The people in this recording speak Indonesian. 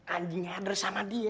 anjingnya ader sama dia